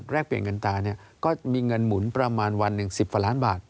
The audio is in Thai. แรกเปลี่ยนเงินตาก็มีเงินหมุนประมาณวันหนึ่ง๑๐กว่าล้านบาท